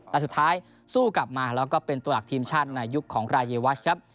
แต่สุดท้ายสู้กลับมาแล้วก็เป็นตัวหลักทีมชาติในยุคของรายวัชครับ